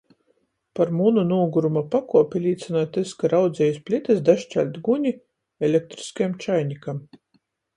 Par munu nūguruma pakuopi līcynoj tys, ka raudzeju iz plitys daškeļt guni... elektriskajam čainikam.